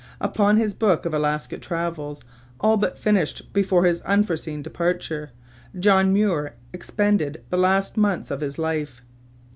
Upon this book of Alaska travels, all but finished before his unforeseen departure, John Muir expended the last months of his life.